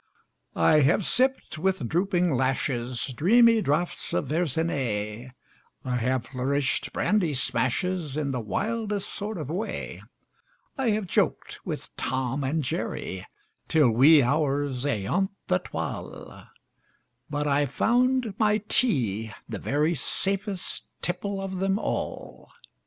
I have sipped, with drooping lashes, Dreamy draughts of Verzenay; I have flourished brandy smashes In the wildest sort of way; I have joked with "Tom and Jerry" Till wee hours ayont the twal' But I've found my tea the very Safest tipple of them all!